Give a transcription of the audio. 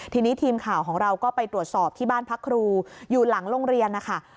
ทีนี้ทีมข่าวของเราก็ไปตรวจสอบที่บ้านพักครูอยู่หลังโรงเรียนนะคะ